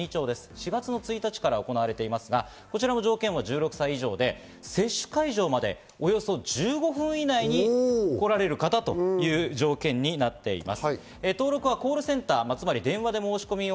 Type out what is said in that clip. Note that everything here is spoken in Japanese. ４月１日から行われていますが、こちらも条件は１６歳以上で接種会場までおよそ１５分以内にこられる方となっています。